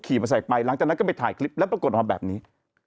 ขี่เมื่อใส่ไปหลังจากนั้นก็ไปถ่ายคลิปแล้วก็กดลองแบบนี้